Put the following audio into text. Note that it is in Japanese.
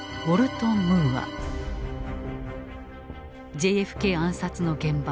ＪＦＫ暗殺の現場